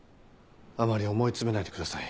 あまり思い詰めないでください。